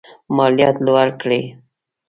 مالیات لوړ کړي.